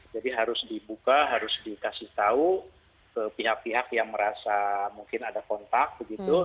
jadi harus dibuka harus dikasih tahu ke pihak pihak yang merasa mungkin ada kontak begitu